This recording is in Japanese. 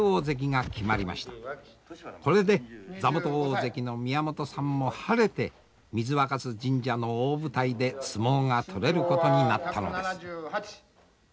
これで座元大関の宮本さんも晴れて水若酢神社の大舞台で相撲が取れることになったのです。